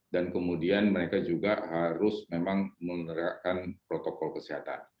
dan kemudian mereka juga harus memang menerapkan protokol kesehatan